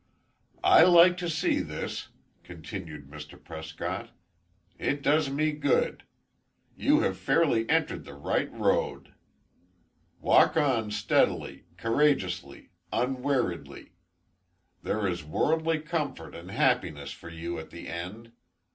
"I like to see this," continued Mr. Prescott. "It does me good. You have fairly entered the right road. Walk on steadily, courageously, unweariedly. There is worldly comfort and happiness for you at the end.